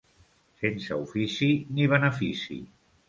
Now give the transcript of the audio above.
Sense ofici ni benefici.